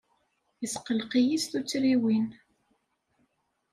Yesqelliq-iyi s tuttriwin.